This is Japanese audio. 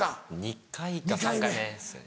２回か３回目ですね。